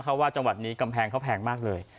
เขาว่าจังหวัดนี้กำแพงเขาแพงมากเลย